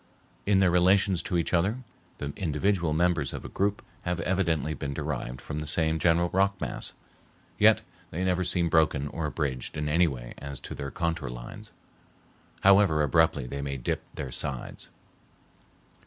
In their relations to each other the individual members of a group have evidently been derived from the same general rock mass, yet they never seem broken or abridged in any way as to their contour lines, however abruptly they may dip their sides.